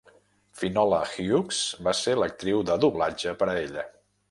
Finola Hughes va ser l'actriu de doblatge per a ella.